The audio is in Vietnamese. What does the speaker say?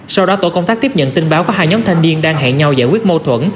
sau đó tổ công tác tiếp nhận tin báo có hai nhóm thanh niên đang hẹn nhau giải quyết mâu thuẫn